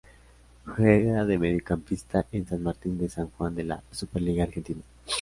Juega de Mediocampista en San Martín de San Juan de la Superliga Argentina.